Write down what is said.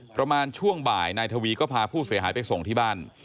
ประมาณช่วงบ่ายนายทวีก็พาผู้เสียหายไปส่งที่บ้าน